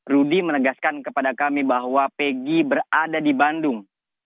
rudy menegaskan kepada kami bahwa pegi berada di bandung